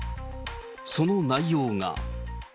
その内容が。